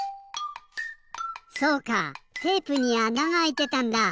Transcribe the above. そうかテープにあながあいてたんだ！